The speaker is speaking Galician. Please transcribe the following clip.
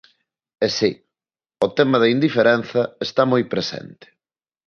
E si, o tema da indiferenza está moi presente.